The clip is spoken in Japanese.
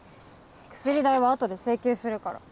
薬代はあとで請求するから。